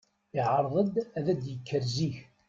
Iɛṛeḍ ad d-yekker zik.